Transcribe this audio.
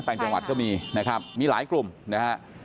ต่างจังหวัดก็มีนะครับมีหลายกลุ่มนะฮะ